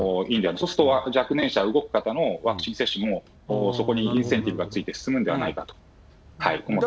そうすると若年者の、動く方のワクチン接種も、そこにインセンティブがついて、進むんじゃないかと僕は思ってます。